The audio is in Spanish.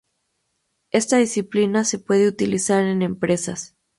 Esta disciplina se puede utilizar en empresas.